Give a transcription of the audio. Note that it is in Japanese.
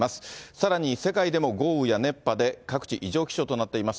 さらに世界でも豪雨や熱波で各地、異常気象となっています。